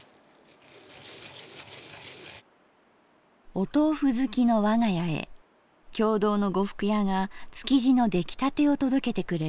「お豆腐好きのわが家へ経堂の呉服屋が築地の出来たてを届けてくれる。